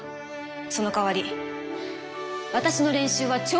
そのかわり私の練習は超厳しいから。